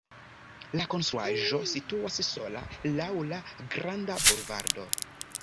La konstruaĵo situas sola laŭ la granda bulvardo.